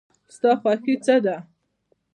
ستا خوښی څه ده؟